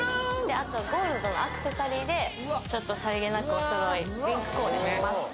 あとゴールドのアクセサリーでちょっとさりげなくおそろいリンクコーデしてます